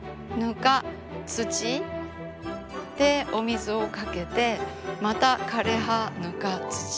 土でお水をかけてまた枯れ葉ぬか土。